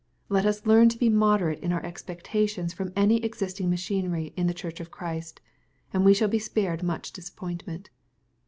Let us learn to be moderate in our expectations from any existing machinery in the Church of Christ, and we shall be spared much disappointment.